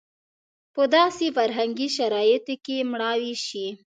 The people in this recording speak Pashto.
په داسې فرهنګي شرایطو کې مړاوې شي.